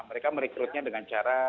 mereka merekrutnya dengan cara